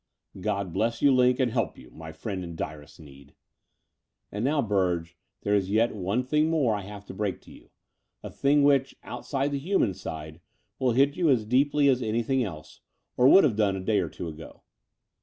"God bless you. Line, and help you, my friend in direst need." "And now, Burge, there is yet one thing more I have to break to you — a thing which, outside the htmian side, will hit you as deeply as anything else, or would have done a day or two ago."